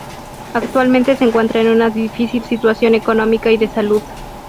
Actualmente se encuentra en una difícil situación económica y de salud.